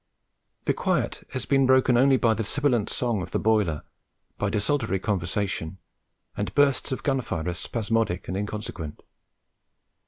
The quiet has been broken only by the sibilant song of the boiler, by desultory conversation and bursts of gunfire as spasmodic and inconsequent.